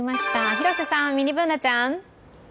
広瀬さん、ミニＢｏｏｎａちゃん。